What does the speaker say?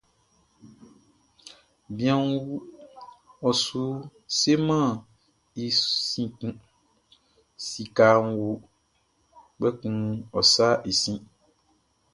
Bianʼn wu, ɔ su sɛmɛn i sin kun; sikaʼn wu, kpɛkun ɔ sa sin.